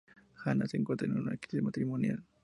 Hanna se encuentra en una crisis matrimonial.